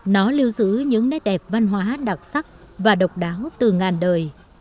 nó lưu giữ những nét đẹp văn hóa đặc sắc và độc đáo từ ngàn đời